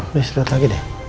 udah istirahat lagi deh